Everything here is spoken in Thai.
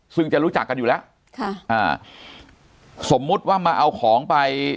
ซึ่งจะรู้จักกันอยู่แล้วค่ะอ่าสมมุติว่ามาเอาของไป